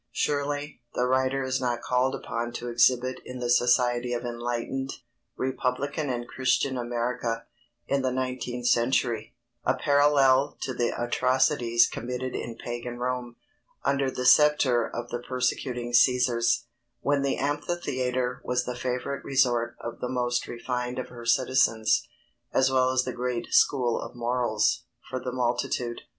Surely, the writer is not called upon to exhibit in the society of enlightened, republican and Christian America, in the nineteenth century, a parallel to the atrocities committed in pagan Rome, under the sceptre of the persecuting Cæsars, when the amphitheatre was the favorite resort of the most refined of her citizens, as well as the great "school of morals" for the multitude.